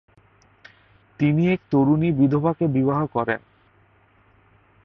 তিনি এক তরুণী বিধবাকে বিবাহ করেন।